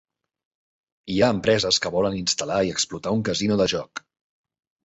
Hi ha empreses que volen instal·lar i explotar un casino de joc.